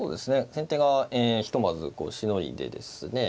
先手がひとまずこうしのいでですね